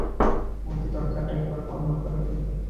মতি দরজাটা এবার বন্ধ করিল।